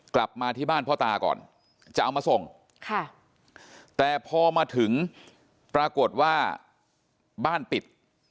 กลับมาที่บ้านพ่อตาก่อนจะเอามาส่งค่ะแต่พอมาถึงปรากฏว่าบ้านปิด